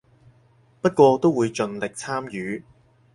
不過都會盡力參與